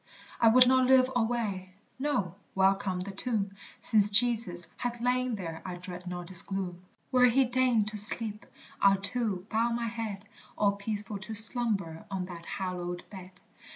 I would not live alway no, welcome the tomb, Since Jesus hath lain there I dread not its gloom; Where he deigned to sleep, I'll too bow my head, All peaceful to slumber on that hallowed bed.